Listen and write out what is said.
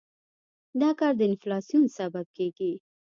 دا کار د انفلاسیون سبب کېږي.